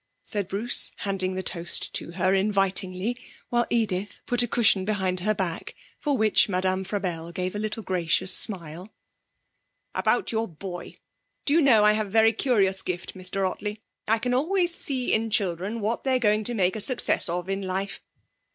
said Bruce, handing the toast to her invitingly, while Edith put a cushion behind her back, for which Madame Frabelle gave a little gracious smile. 'About your boy. Do you know, I have a very curious gift, Mr Ottley. I can always see in children what they're going to make a success of in life.